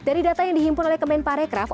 dari data yang dihimpul oleh kemen parekraf